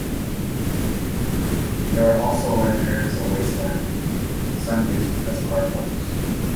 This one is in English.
There were also large areas of wasteland, some used as car parks.